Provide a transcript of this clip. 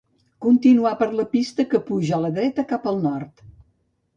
Continuar per la pista que puja a la dreta, cap el nord.